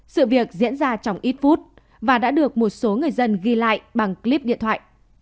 sự việc diễn ra trong ít phút và đã được một số người dân ghi lại bằng clip điện thoại